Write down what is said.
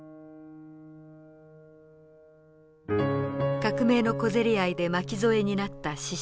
革命の小競り合いで巻き添えになった死者。